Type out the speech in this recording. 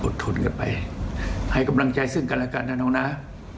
อดทนกันไปให้กำลังใจซึ่งละกันด่านแนวนา